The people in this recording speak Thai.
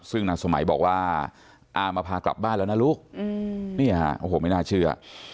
ซึ่งนางสมัยบอกว่าอามาพากลับบ้านแล้วนะลูกเนี่ยโอ้โหไม่น่าเชื่อ